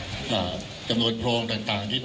คุณผู้ชมไปฟังผู้ว่ารัฐกาลจังหวัดเชียงรายแถลงตอนนี้ค่ะ